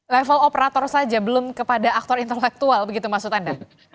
level operator saja belum kepada aktor intelektual begitu maksud anda